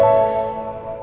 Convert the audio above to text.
aku mau pergi